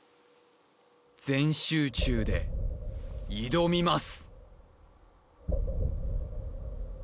全集中で挑みます